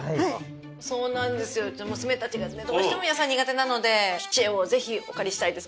そうなんですようちの娘たちがねどうしても野菜苦手なので知恵をぜひお借りしたいです。